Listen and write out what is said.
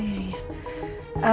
bener atau enggak